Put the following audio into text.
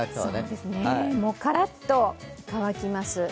からっと乾きます。